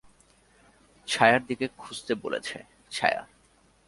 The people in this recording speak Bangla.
ছায়ার দিকে খুঁজতে বলেছে - ছায়া?